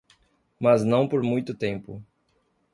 Mas não por muito tempo.